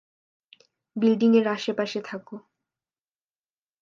Building এর আশেপাশে থাকো।